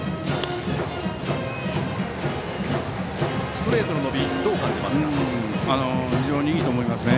ストレートの伸びどう感じますか？